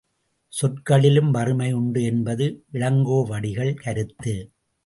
சொற்களிலும் வறுமை உண்டு என்பது இளங்கோவடிகள் கருத்து.